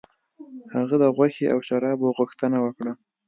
هغه د غوښې او شرابو غوښتنه وکړه.